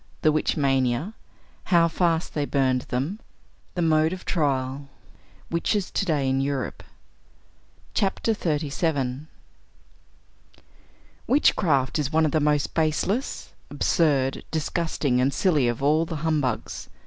THE WITCH MANIA. HOW FAST THEY BURNED THEM. THE MODE OF TRIAL. WITCHES TO DAY IN EUROPE. Witchcraft is one of the most baseless, absurd, disgusting and silly of all the humbugs.